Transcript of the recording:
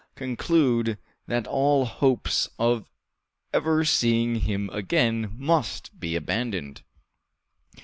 conclude that all hopes of ever seeing him again must be abandoned.